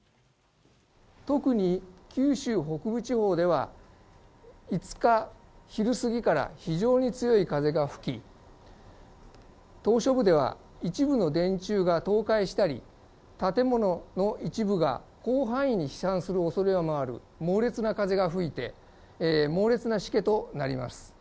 特に九州北部地方では、５日昼過ぎから非常に強い風が吹き、島しょ部では一部の電柱が倒壊したり、建物の一部が広範囲に飛散するおそれもある猛烈な風が吹いて、猛烈なしけとなります。